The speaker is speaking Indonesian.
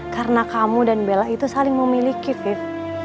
karena kamu dan bella itu saling memiliki afif